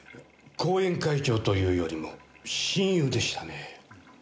後援会長というよりも親友でしたね。